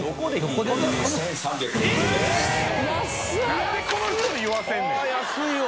何でこの人に言わせんねんあっ安いわ。